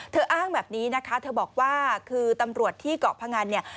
อ้างแบบนี้นะคะเธอบอกว่าคือตำรวจที่เกาะพงันเนี่ย